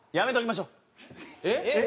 えっ？